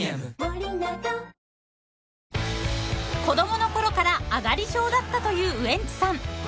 ［子供のころからあがり症だったというウエンツさん］